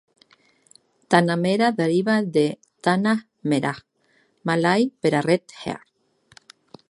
Tanamera deriva de "Tanah Merah", malai per a Red Earth.